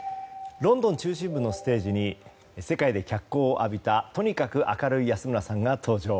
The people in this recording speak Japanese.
ロンドン中心部のステージに世界で脚光を浴びたとにかく明るい安村さんが登場。